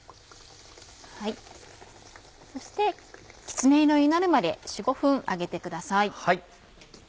そしてきつね色になるまで４５分揚げてください。